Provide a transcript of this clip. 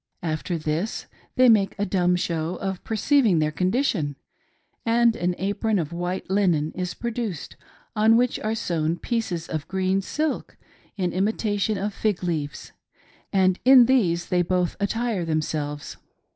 After this they make a dumb show of perceiving their condition, and an apron of white linen is produced, on which are sewn pieces of green silk, in imitation of fig leaves, and in these they both attire themselves.